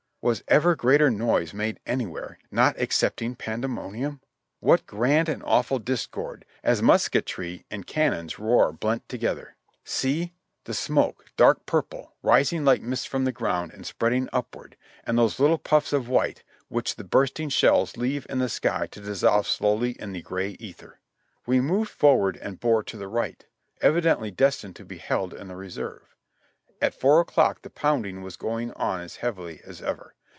Was ever greater noise made anywhere, not excepting Pande monium? What grand and awful discord, as musketry and can THK BATTLU OF SEVEN PINES 133 noil's roar blent together ! See ! The smoke — dark purple, ris ing like mist from the ground and spreading upward, and those little puffs of white, which the bursting shells leave in the sky to dissolve slowly in the gray ether ! We moved forward and bore to the right; evidently destined to be held in the reserve. At four o'clock the pounding was going on as heavily as ever.